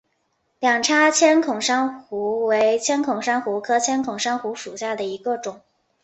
两叉千孔珊瑚为千孔珊瑚科千孔珊瑚属下的一个种。